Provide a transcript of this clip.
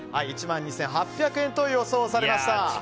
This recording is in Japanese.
１万２８００円と予想されました。